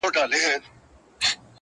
لوستونکي پرې ژور فکر کوي تل,